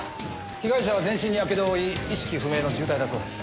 被害者は全身にやけどを負い意識不明の重体だそうです。